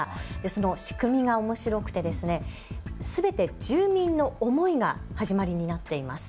その仕組みが、おもしろくてすべて住民の思いが始まりになっています。